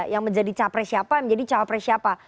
yang menjadi capres siapa yang menjadi cawapres siapa